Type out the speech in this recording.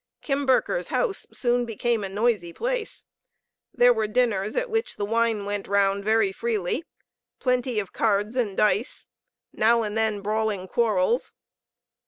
Kimberker' 5 house soon became a noisy place. There were dinners at which the wine went round very freely, plenty of cards and dice, now and then brawling quarrels.